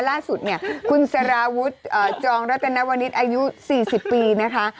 ล่าสุดคุณสารวุฒิจองรัตนวณิสธิ์อายุ๔๐ปีนะคะ